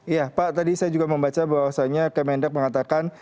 iya pak tadi saya juga membaca bahwasannya kemendak mengatakan